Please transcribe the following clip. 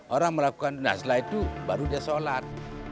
orang melakukan nah setelah itu baru dia sholat